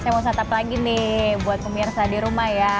saya mau santap lagi nih buat pemirsa di rumah ya